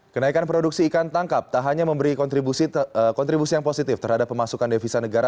kenaikan produksi ikan tangkap tak hanya memberi kontribusi yang positif terhadap pemasukan devisa negara